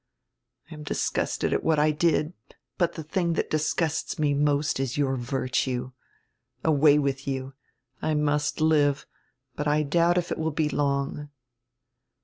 I am disgusted at what I did; but die diing diat disgusts me most is your virtue. Away with you! I must live, but I doubt if it will be long."